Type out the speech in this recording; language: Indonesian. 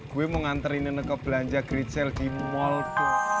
gue mau ngantri ini ke belanja gritzel di mall